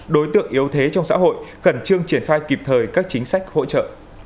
đối tượng yếu thế trong xã hội khẩn trương triển khai kịp thời các chính sách hỗ trợ